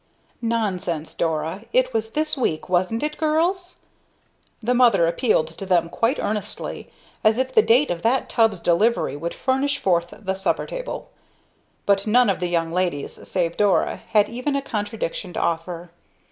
"Nonsense, Dora! It was this week, wasn't it, girls?" The mother appealed to them quite earnestly, as if the date of that tub's delivery would furnish forth the supper table; but none of the young ladies save Dora had even a contradiction to offer.